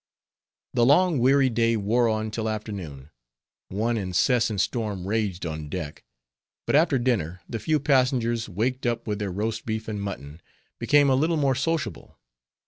The long weary day wore on till afternoon; one incessant storm raged on deck; but after dinner the few passengers, waked up with their roast beef and mutton, became a little more sociable.